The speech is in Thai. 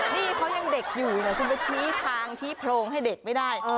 นี่เขายังเด็กอยู่เนี่ยคุณไปชี้ทางชี้โพรงให้เด็กไม่ได้